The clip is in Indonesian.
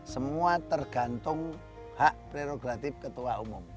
semua tergantung hak prerogatif ketua umum